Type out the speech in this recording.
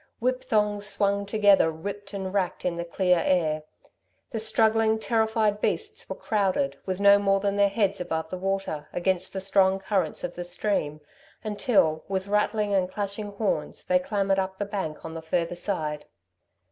Whip thongs swung together ripped and racked in the clear air. The struggling, terrified beasts were crowded, with no more than their heads above water, against the strong currents of the stream until, with rattling and clashing horns, they clambered up the bank on the further side.